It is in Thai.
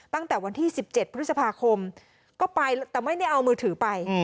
ตั้งแต่วันที่๑๗พฤษภาคมก็ไปแต่ไม่ได้เอามือถือไป